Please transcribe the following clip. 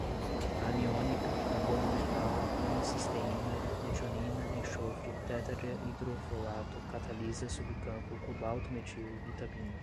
aniônica, carbono-metal, homocisteína, metionina, enxofre, tetraidrofolato, catalisa, subcampo, cobalto-metil, vitamina